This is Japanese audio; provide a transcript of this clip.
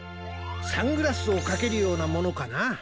サングラスをかけるようなものかな。